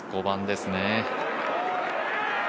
５番ですね。